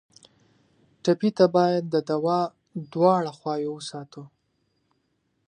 ټپي ته باید د دوا دواړه خواوې وساتو.